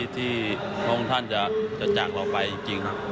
ที่พระองค์ท่านจะจากเราไปจริง